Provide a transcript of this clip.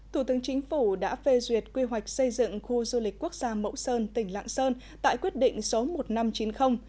thủ tướng chính phủ đã phê duyệt quy hoạch xây dựng khu du lịch quốc gia mẫu sơn tỉnh lạng sơn tại quyết định số một nghìn năm trăm chín mươi